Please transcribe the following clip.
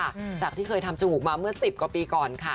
แต่ถ้าเธอเคยทำจมูกกงี้มาเมื่อสิบกว่าปีก่อนค่ะ